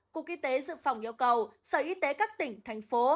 cục y tế dự phòng yêu cầu sở y tế các tỉnh thành phố